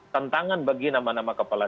tantangan bagi nama nama kepala